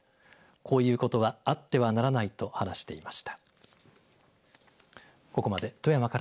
こういうことはあってはならないと話していました。